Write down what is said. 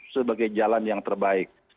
sebagai jalan yang terbaik